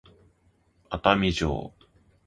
熱海城